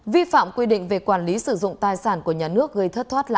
vi phạm quy định về quản lý sử dụng tài sản của nhà nước gây thất thoát